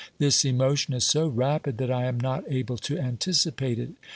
This emotion is so rapid that I am not able to anticipate it.